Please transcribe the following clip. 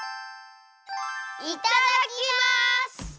いただきます！